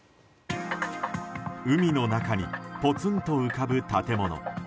海の中にぽつんと浮かぶ建物。